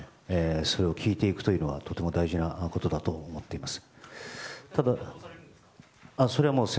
それを聞いていくのはとても大事なことだと思っています。